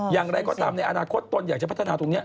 อย่างไรก็ตามในอนาคตตนอยากจะพัฒนาตรงนี้